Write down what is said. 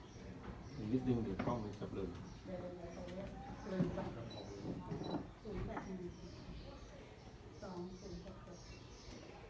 สวัสดีครับทุกคนสวัสดีครับทุกคน